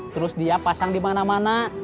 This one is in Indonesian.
terus dia pasang di mana mana